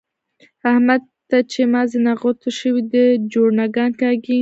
احمد ته چې مازي نغوته شوي؛ دی جوړنګان کاږي.